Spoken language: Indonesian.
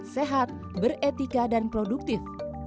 sehat beretika dan produktif